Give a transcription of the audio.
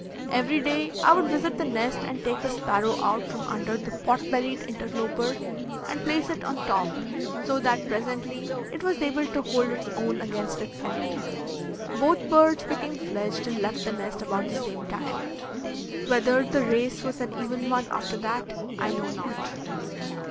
Every day I would visit the nest and take the sparrow out from under the pot bellied interloper and place it on top so that presently it was able to hold its own against its enemy. Both birds became fledged and left the nest about the same time. Whether the race was an even one after that, I know not.